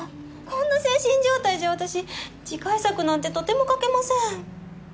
こんな精神状態じゃ私次回作なんてとても描けません。